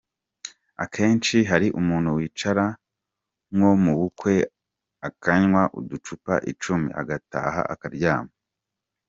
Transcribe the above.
Akenshi hari umuntu wicara nko mu bukwe akanywa uducupa icumi, agataha akaryama.